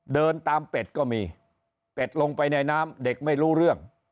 เดินตามเป็ดก็มีเป็ดลงไปในน้ำเด็กไม่รู้เรื่อง